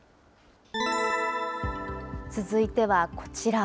続いてはこちら。